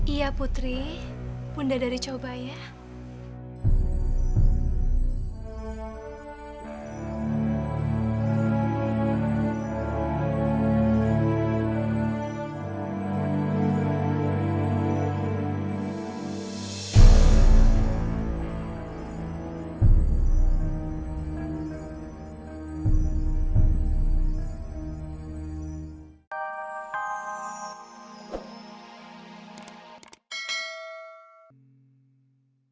sampai jumpa di video selanjutnya